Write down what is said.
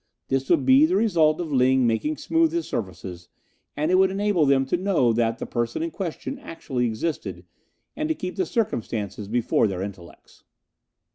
This would be the result of Ling making smooth his surfaces, and it would enable them to know that the person in question actually existed, and to keep the circumstances before their intellects.